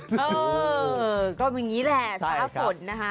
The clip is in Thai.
เออก็อย่างนี้แหละฟ้าฝนนะคะ